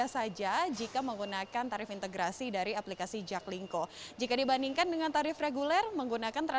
saja jika menggunakan tarif integrasi dari aplikasi jaklingko jika dibandingkan dengan tarif reguler menggunakan